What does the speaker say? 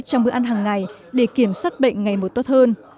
trong bữa ăn hàng ngày để kiểm soát bệnh ngày một tốt hơn